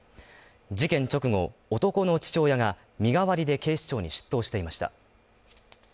事件直後、男の父親が身代わりで警視庁に出頭していました。